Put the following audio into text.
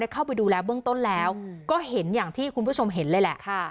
เข้าไปดูแลเบื้องต้นแล้วก็เห็นอย่างที่คุณผู้ชมเห็นเลยแหละ